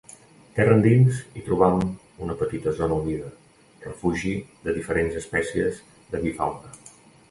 Terra endins hi trobam una petita zona humida, refugi de diferents espècies d'avifauna.